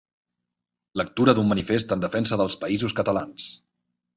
Lectura d'un manifest en defensa dels Països Catalans.